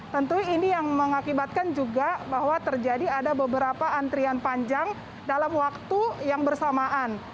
tentu ini yang mengakibatkan juga bahwa terjadi ada beberapa antrian panjang dalam waktu yang bersamaan